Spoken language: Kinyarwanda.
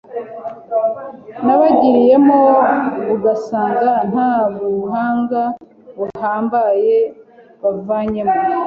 n'abarigiyemo ugasanga nta buhanga buhambaye bavanyemo